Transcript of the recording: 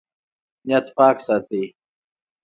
نیت پاک ساتئ